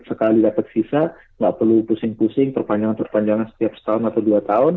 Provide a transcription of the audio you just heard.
sekali dapat visa nggak perlu pusing pusing terpanjang terpanjangan setiap satu atau dua tahun